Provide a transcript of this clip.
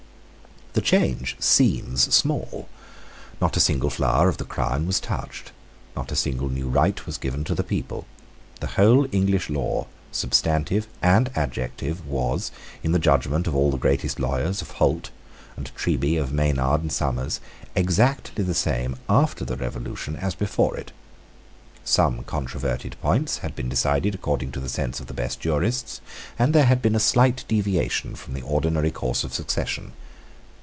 The change seems small. Not a single flower of the crown was touched. Not a single new right was given to the people. The whole English law, substantive and adjective, was, in the judgment of all the greatest lawyers, of Holt and Treby, of Maynard and Somers, exactly the same after the Revolution as before it. Some controverted points had been decided according to the sense of the best jurists; and there had been a slight deviation from the ordinary course of succession.